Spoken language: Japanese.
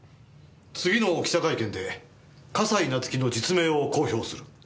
次の記者会見で笠井夏生の実名を公表する。